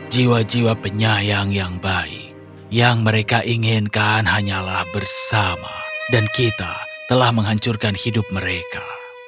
jiwa jiwa penyayang yang baik yang mereka inginkan hanyalah bersama dan kita telah menghancurkan hidup mereka